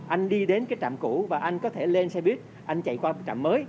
anh đi đến cái trạm cũ và anh có thể lên xe buýt anh chạy qua cái trạm mới